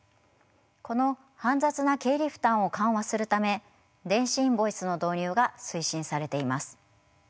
この煩雑な経理負担を緩和するため電子インボイスの導入が推進されています。